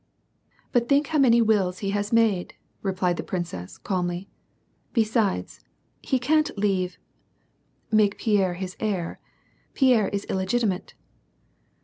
"But think how many wills he has made!" replied the princess, calmly. "Besides, he can't leave — make Pierre his heir. Pierre is illegitimate."